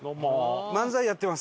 漫才やってます